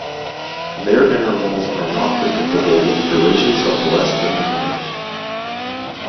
Their intervals are not predictable with durations of less than a minute.